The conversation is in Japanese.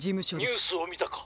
☎ニュースをみたか？